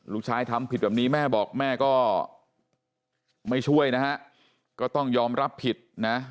ทำผิดแบบนี้แม่บอกแม่ก็ไม่ช่วยนะฮะก็ต้องยอมรับผิดนะ